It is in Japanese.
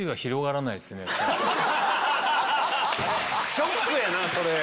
ショックやなそれ。